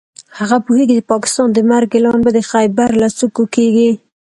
هغه پوهېږي د پاکستان د مرګ اعلان به د خېبر له څوکو کېږي.